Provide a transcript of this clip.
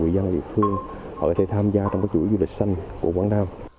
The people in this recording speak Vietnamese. các doanh nghiệp phương họ có thể tham gia trong các chuỗi du lịch xanh của quảng nam